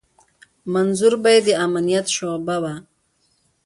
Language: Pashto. منظور به يې د امنيت شعبه وه.